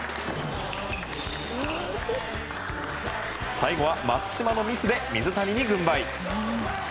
最後は、松島のミスで水谷に軍配。